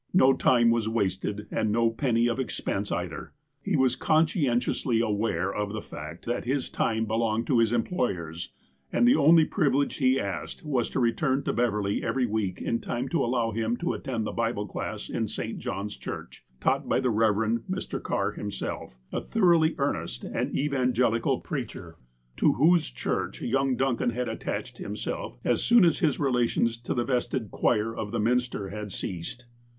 No time was wasted, and no penny of expense either. He was conscientiously aware of the fact that his time be longed to his employers, and the only privilege he asked was to return to Beverley every week in time to allow him to attend the Bible class in St. John's Church, taught by the Rev. Mr. Carr himself, a thoroughly earnest and evangelical preacher, to whose church young Duncan had attached himself as soon as his relations to the vested choir of the minster had ceased.